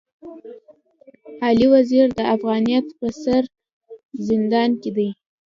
علي وزير د افغانيت پر سر زندان کي دی.